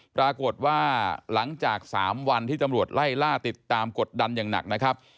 ปรากฏว่าหลังจาก๓วันที่ตำรวจไล่ล่าติดตามกดดันอย่างหนักนะครับ